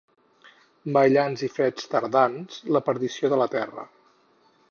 Maellans i freds tardans: la perdició de la terra.